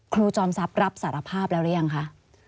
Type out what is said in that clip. จอมทรัพย์รับสารภาพแล้วหรือยังคะ